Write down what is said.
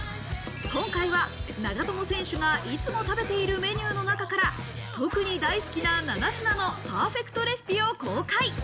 今回は長友選手がいつも食べているメニューの中から、特に大好きな７品のパーフェクトレシピを公開。